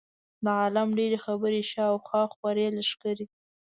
د عالم ډېرې خبرې شا او خوا خورې لښکرې.